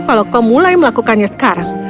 kalau kau mulai melakukannya sekarang